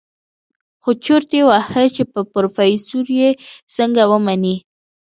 خو چورت يې وهه چې په پروفيسر يې څنګه ومني.